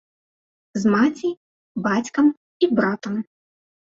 З маці, бацькам і братам.